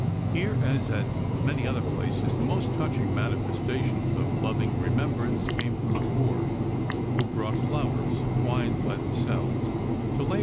Here, as at many other places, the most touching manifestations of loving remembrance came from the poor, who brought flowers twined by themselves to lay upon 1 General E.